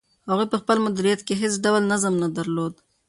هغوی په خپل مدیریت کې هیڅ ډول نظم نه درلود.